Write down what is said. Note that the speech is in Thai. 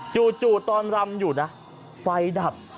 จู่ตอนรำอยู่นะไฟดับ